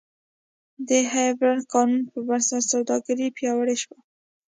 د هیپبرن قانون پربنسټ سوداګري پیاوړې شوه.